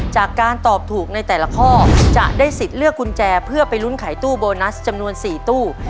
จากการตอบถูกในแต่ละข้อจะได้สิทธิ์เลือกกุญแจเพื่อไปลุ้นไขตู้โบนัสจำนวน๔ตู้